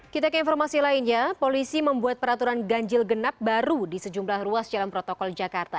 kita ke informasi lainnya polisi membuat peraturan ganjil genap baru di sejumlah ruas jalan protokol jakarta